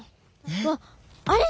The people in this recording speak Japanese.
わっあれ？